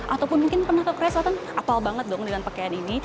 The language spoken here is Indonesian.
ataupun mungkin pernah ke korea selatan apal banget dong dengan pakaian ini